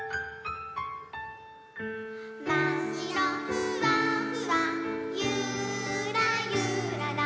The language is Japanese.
「まっしろふわふわゆーらゆらら」